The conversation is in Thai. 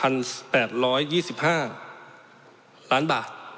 นะครับ